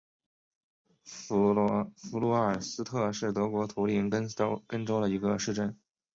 弗卢尔斯特是德国图林根州的一个市镇。